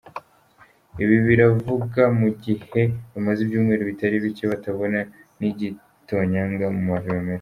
Ibi barabivuga mu gihe bamaze ibyumweru bitari bike batabona nigitonyanga mu mavomero.